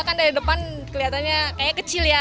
kan dari depan kelihatannya kayaknya kecil ya